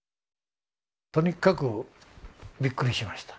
とにかくびっくりしました。